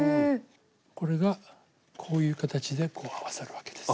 これがこういう形でこう合わさるわけです。